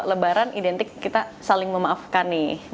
lebaran identik kita saling memaafkan nih